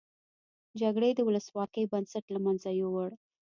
جګړې د ولسواکۍ بنسټ له مینځه یوړ.